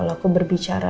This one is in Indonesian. kalau aku berbicara